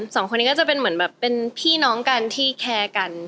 สองคนเป็นพี่น้องกันที่แคกัน